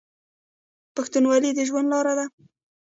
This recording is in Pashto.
پښتونولي د ژوند لاره ده.